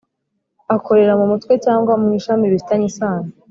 Akorera mu mutwe cyangwa mu ishami bifitanye isano